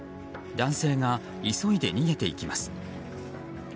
男性が急いで逃げていきます。